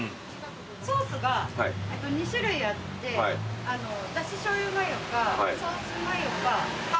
ソースが２種類あってだししょうゆマヨかソースマヨか半掛けか。